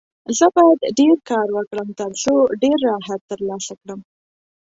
زه باید ډېر کار وکړم، ترڅو ډېر راحت ترلاسه کړم.